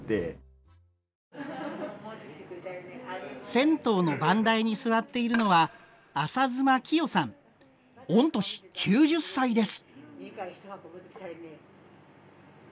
銭湯の番台に座っているのは御年９０歳です！